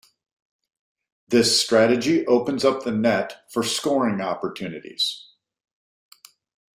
This strategy opens up the net for scoring opportunities.